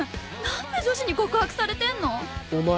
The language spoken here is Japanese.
何で女子に告白されてんの⁉お前